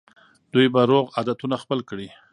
دوی به روغ عادتونه خپل کړي.